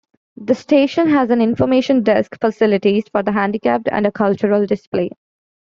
The station has an information desk, facilities for the handicapped and a cultural display.